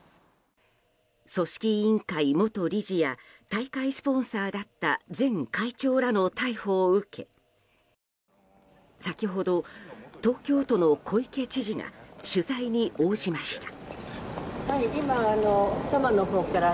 組織委員会元理事や大会スポンサーだった前会長らの逮捕を受け先ほど、東京都の小池知事が取材に応じました。